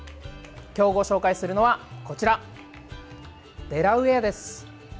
今日ご紹介するのはこちら、デラウエアです。